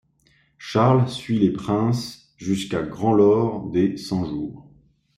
Charles suit les princes jusqu'à Gand lors des Cent-Jours.